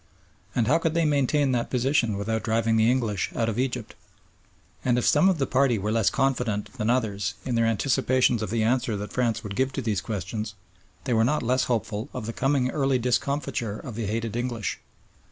And how could they maintain that position without driving the English out of Egypt? And if some of the party were less confident than others in their anticipations of the answer that France would give to these questions, they were not less hopeful of the coming early discomfiture of the hated English.